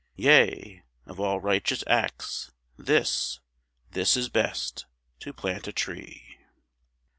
Yea, of all righteous acts, this, this is best, To plant a tree.